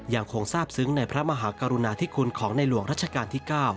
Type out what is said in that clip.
ยังคงทราบซึ้งในพระมหากรุณาธิคุณของในหลวงรัชกาลที่๙